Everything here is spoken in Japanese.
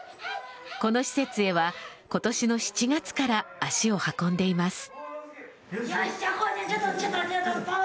この施設へは今年の７月から足を運んでいます。